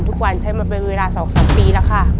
ทุกวันใช้มาเป็นเวลา๒๓ปีแล้วค่ะ